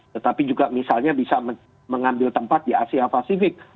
tetapi juga misalnya bisa mengambil tempat di asia pasifik